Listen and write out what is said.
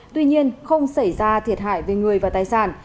tuy nhiên không xảy ra thiệt hại về người và tài sản